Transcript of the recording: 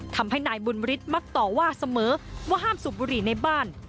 ทำให้นายบุญฤทธิมักต่อว่าเสมอว่าห้ามสูบบุหรี่ในบ้าน